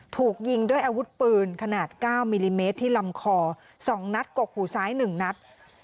ถูกยิงด้วยอาวุธปืนขนาด๙มิลลิเมตรที่ลำคอ๒นัดกกหูซ้าย๑นัด